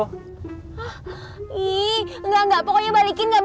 hidup mati mau sama gue terus